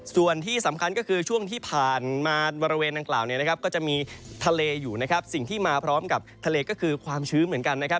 ส่วนที่สำคัญก็คือช่วงที่ผ่านมาบริเวณดังกล่าวเนี่ยนะครับก็จะมีทะเลอยู่นะครับสิ่งที่มาพร้อมกับทะเลก็คือความชื้นเหมือนกันนะครับ